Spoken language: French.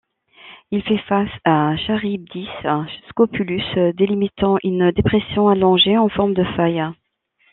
Il fait face à Charybdis Scopulus, délimitant une dépression allongée en forme de faille.